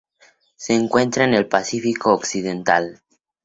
Se encuentra en Pacífico occidental.